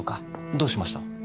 どうしました？